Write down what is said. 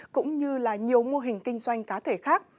cũng như là nhiều mô hình kinh doanh cá thể khác